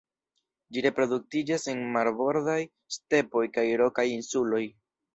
Ĝi reproduktiĝas en marbordaj stepoj kaj rokaj insuloj.